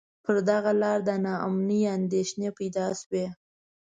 پر دغه لار د نا امنۍ اندېښنې پیدا شوې.